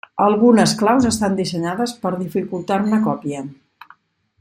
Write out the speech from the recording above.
Algunes claus estan dissenyades per dificultar-ne còpia.